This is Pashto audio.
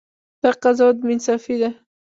دا قضاوت بې انصافي ده.